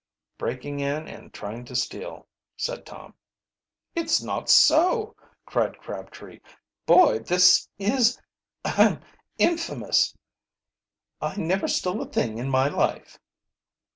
"Breaking in and trying to steal," said Tom. "It's not so!" cried Crabtree. "Boy, this is ahem infamous! I never stole a thing in my life!"